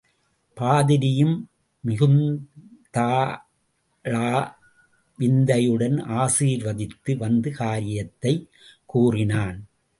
பாதிரியும் மிகுந்ததாாாள விந்தையுடன் ஆசிர்வதித்து, வந்த காரியத்தைக் கூறினான்.